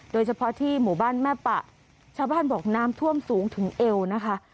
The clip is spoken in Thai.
โดยเฉพาะที่หมู่บ้านแม่ปะชาวบ้านบอกน้ำท่วมสูงถึงเอวนะคะ